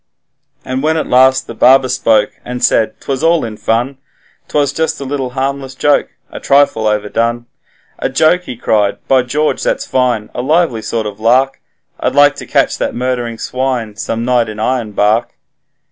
And when at last the barber spoke, and said, ''Twas all in fun 'Twas just a little harmless joke, a trifle overdone.' 'A joke!' he cried, 'By George, that's fine; a lively sort of lark; I'd like to catch that murdering swine some night in Ironbark.'